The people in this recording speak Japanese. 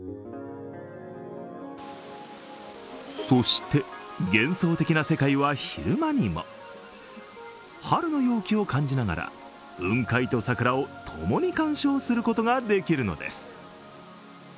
そして、幻想的な世界は昼間にも春の陽気を感じながら雲海と桜をともに観賞することができるのです。